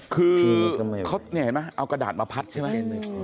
คือเขาเนี่ยเห็นไหมเอากระดาษมาพัดใช่ไหม